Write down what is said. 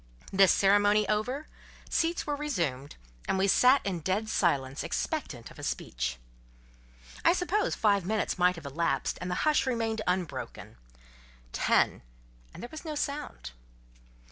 This ceremony over, seats were resumed, and we sat in dead silence, expectant of a speech. I suppose five minutes might have elapsed, and the hush remained unbroken; ten—and there was no sound.